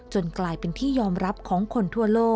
กลายเป็นที่ยอมรับของคนทั่วโลก